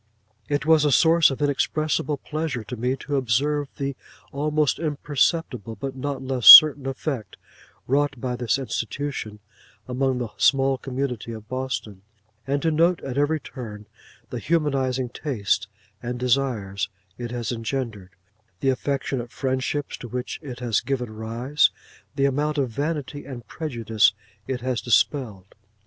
It was a source of inexpressible pleasure to me to observe the almost imperceptible, but not less certain effect, wrought by this institution among the small community of Boston; and to note at every turn the humanising tastes and desires it has engendered; the affectionate friendships to which it has given rise; the amount of vanity and prejudice it has dispelled.